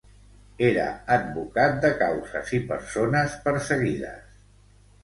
Era advocat de causes i persones perseguides.